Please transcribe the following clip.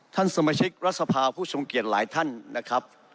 ท่านสมาชิกรัฐสภาผู้ทรงเกียจหลายท่านนะครับ